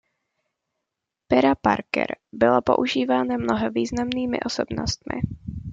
Pera Parker byla používána mnoha významnými osobnostmi.